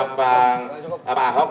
orasi dari pang luhut sama pak ahok